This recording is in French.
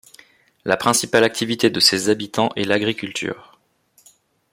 La principale activité de ses habitants est l’agriculture.